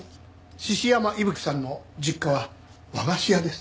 獅子山伊吹さんの実家は和菓子屋です。